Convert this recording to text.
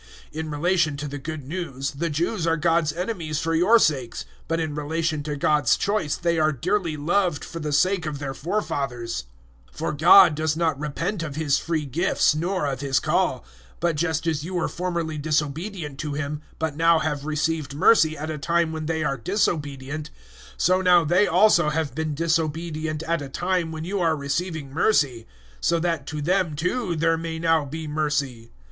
011:028 In relation to the Good News, the Jews are God's enemies for your sakes; but in relation to God's choice they are dearly loved for the sake of their forefathers. 011:029 For God does not repent of His free gifts nor of His call; 011:030 but just as you were formerly disobedient to Him, but now have received mercy at a time when they are disobedient, 011:031 so now they also have been disobedient at a time when you are receiving mercy; so that to them too there may now be mercy.